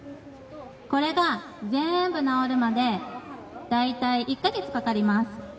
これが、ぜーんぶ治るまで大体１か月かかります。